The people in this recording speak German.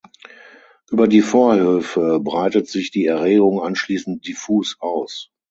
Über die Vorhöfe breitet sich die Erregung anschließend diffus aus.